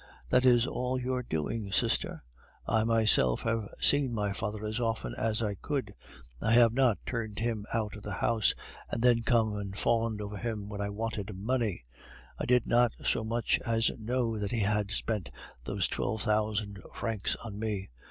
That is all your doing, sister! I myself have seen my father as often as I could. I have not turned him out of the house, and then come and fawned upon him when I wanted money. I did not so much as know that he had spent those twelve thousand francs on me.